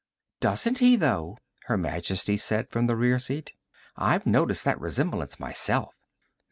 "Doesn't he, though?" Her Majesty said from the rear seat. "I've noticed that resemblance myself."